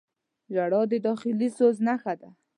• ژړا د داخلي سوز نښه ده.